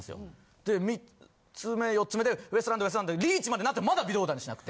で３つ目４つ目でウエストランドウエストランドリーチまでなってもまだ微動だにしなくて。